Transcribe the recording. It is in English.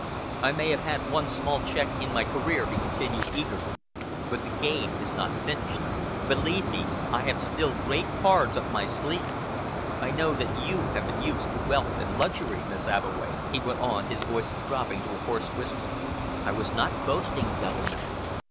"I may have had one small check in my career," he continued eagerly, "but the game is not finished. Believe me, I have still great cards up my sleeve. I know that you have been used to wealth and luxury. Miss Abbeway," he went on, his voice dropping to a hoarse whisper, "I was not boasting the other night.